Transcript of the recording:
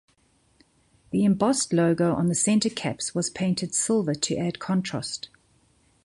The embossed logo on the center caps was painted silver to add contrast.